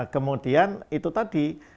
kemudian itu tadi